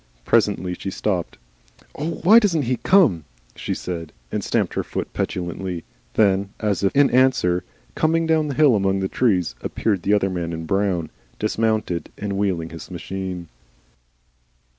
Presently she stopped. "Oh! Why DOESN'T he come?" she said, and stamped her foot petulantly. Then, as if in answer, coming down the hill among the trees, appeared the other man in brown, dismounted and wheeling his machine.